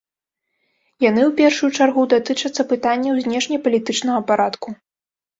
Яны ў першую чаргу датычацца пытанняў знешнепалітычнага парадку.